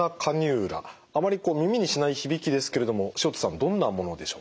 あまり耳にしない響きですけれども塩田さんどんなものでしょうか？